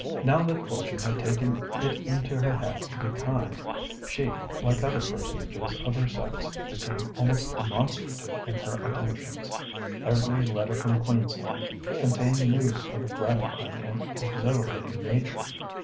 Now that fortune had taken it into her head to be kind, she, like other personages of her sex, became almost demonstrative in her attentions. Every letter from Queensland contained news of a gratifying and exhilarating nature.